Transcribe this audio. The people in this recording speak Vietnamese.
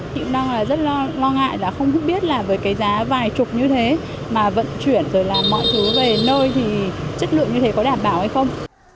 thì cũng đang là rất lo ngại là không biết là với cái giá vài chục như thế mà vận chuyển rồi là mọi thứ về nơi thì chất lượng như thế có đảm bảo hay không